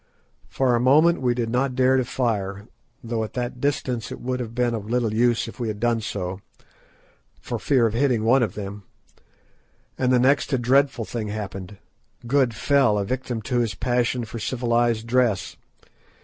For a moment we did not dare to fire—though at that distance it would have been of little use if we had done so—for fear of hitting one of them, and the next a dreadful thing happened—Good fell a victim to his passion for civilised dress.